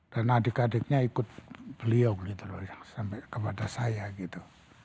dan adik adiknya ikut beliau gitu loh yang sampai kepada saya gitu